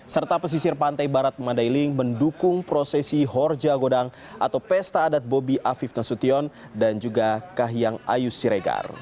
serta pesisir pantai barat mandailing mendukung prosesi horja godang atau pesta adat bobi afif nasution dan juga kahiyang ayu siregar